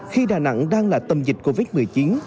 khi đà nẵng đang là tâm dịch covid một mươi chín